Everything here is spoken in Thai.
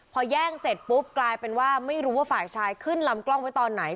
พอแย่งเสร็จปุ๊บกลายเป็นว่าไม่รู้ว่าฝ่ายชายขึ้นลำกล้องไว้ตอนไหน